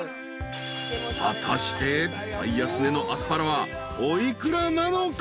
［果たして最安値のアスパラはお幾らなのか？］